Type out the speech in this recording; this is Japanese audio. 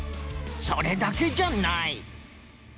それだけじゃない！